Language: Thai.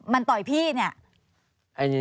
มันต่อยพี่เนี่ย